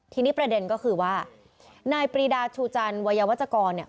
ทีนี้ประเด็นก็คือว่านายปรีดาชูจันทร์วัยวจกรเนี่ย